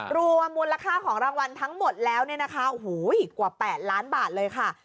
รวมมูลค่าของรางวัลทั้งหมดแล้วเนี่ยนะคะกว่า๘ล้านบาทเลยค่ะ